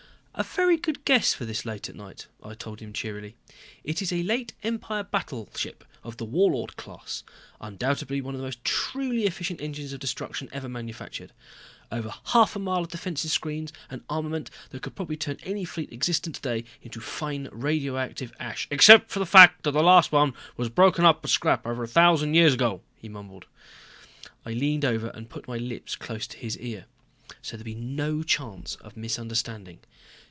"A very good guess for this late at night," I told him cheerily. "It is a late Empire battleship of the Warlord class. Undoubtedly one of the most truly efficient engines of destruction ever manufactured. Over a half mile of defensive screens and armament, that could probably turn any fleet existent today into fine radioactive ash " "Except for the fact that the last one was broken up for scrap over a thousand years ago," he mumbled. I leaned over and put my lips close to his ear. So there would be no chance of misunderstanding.